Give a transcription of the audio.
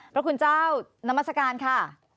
พระคุณเจ้านามัศกาลค่ะ